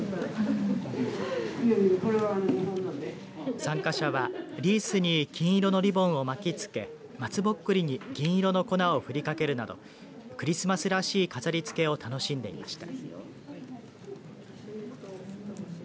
参加者はリースに金色のリボンを巻き付け松ぼっくりに銀色の粉を振りかけるなどクリスマスらしい飾りつけを楽しんでいました。